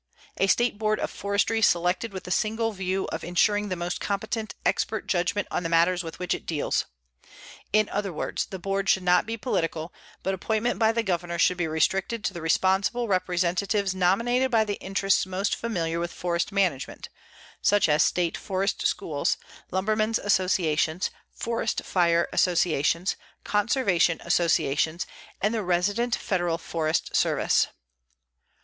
A State Board of Forestry selected with the single view of insuring the most competent expert judgment on the matters with which it deals. In other words, the board should not be political, but appointment by the Governor should be restricted to responsible representatives nominated by the interests most familiar with forest management, such as state forest schools, lumbermen's associations, forest fire associations, conservation associations and the resident Federal forest service.